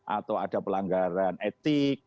atau ada pelanggaran etik